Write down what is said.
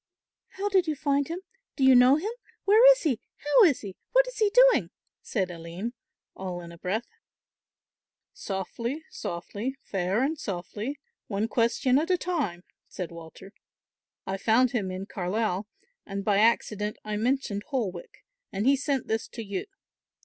"How did you find him? Do you know him? Where is he? How is he? What is he doing?" said Aline, all in a breath. "Softly, softly, fair and softly; one question at a time," said Walter. "I found him in Carlisle, and by accident I mentioned Holwick and he sent this to you."